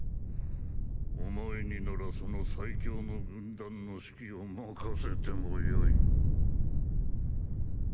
お前にならその最強の軍団の指揮を任せてもよい。